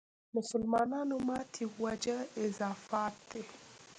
مسلمانانو ماتې وجه اضافات دي.